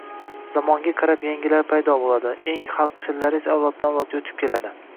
Zamonga qarab, yangilari paydo bo’ladi, eng xalqchillari esa avloddan-avlodga o’tib keladi.